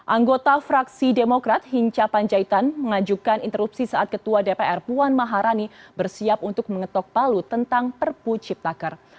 anggota fraksi demokrat hinca panjaitan mengajukan interupsi saat ketua dpr puan maharani bersiap untuk mengetok palu tentang perpu ciptaker